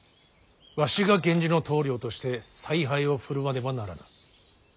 わしが源氏の棟梁として采配を振るわねばならぬ。